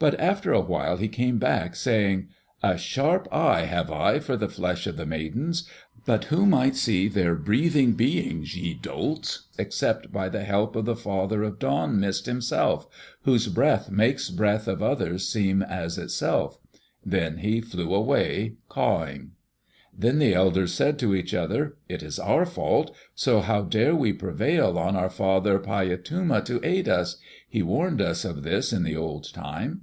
But after a while he came back, saying, "A sharp eye have I for the flesh of the Maidens. But who might see their breathing beings, ye dolts, except by the help of the Father of Dawn Mist himself, whose breath makes breath of others seem as itself." Then he flew away cawing. Then the elders said to each other, "It is our fault, so how dare we prevail on our father Paiyatuma to aid us? He warned us of this in the old time."